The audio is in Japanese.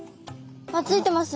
あっついてます。